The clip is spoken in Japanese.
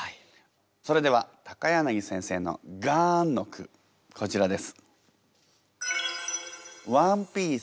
それでは柳先生の「ガーン」の句こちらです。